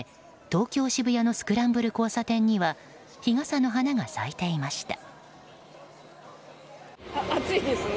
東京・渋谷のスクランブル交差点には日傘の花が咲いていました。